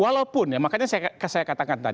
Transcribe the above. walaupun ya makanya saya katakan tadi